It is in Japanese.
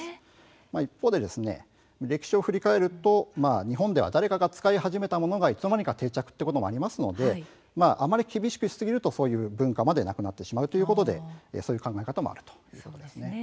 一方で歴史を振り返ると日本では誰かが使い始めたものがいつの間にか定着というものもありますのであまり厳しくしすぎるとそういう文化までなくなってしまうということで、そういう考え方もあるということですね。